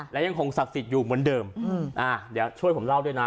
และยังคงศักดิ์สิทธิ์อยู่เหมือนเดิมเดี๋ยวช่วยผมเล่าด้วยนะ